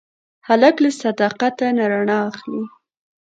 هلک له صداقت نه رڼا اخلي.